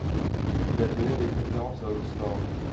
Il a donné des conférencves à Oxford.